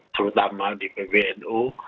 terutama di pbnu